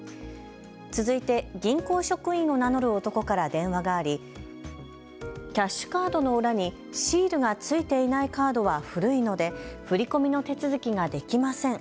続いて、銀行職員を名乗る男から電話がありキャッシュカードの裏にシールが付いていないカードは古いので振り込みの手続きができません。